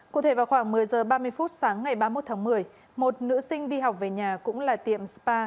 cụ thể vào khoảng một mươi h ba mươi phút sáng ngày ba mươi một tháng một mươi một nữ sinh đi học về nhà cũng là tiệm spa